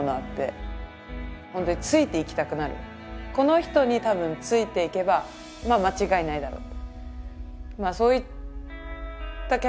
この人に多分ついていけばまあ間違いないだろう。